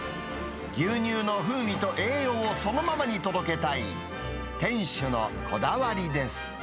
牛乳の風味と栄養をそのままに届けたい、店主のこだわりです。